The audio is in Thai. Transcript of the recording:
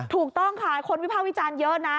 ถูกต้องค่ะคนวิภาควิจารณ์เยอะนะ